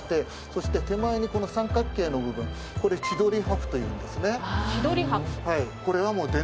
そして手前にこの三角形の部分これ千鳥破風というんですね。